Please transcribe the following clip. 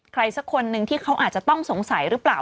สักคนนึงที่เขาอาจจะต้องสงสัยหรือเปล่า